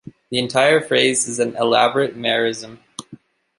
The entire phrase is an elaborate merism.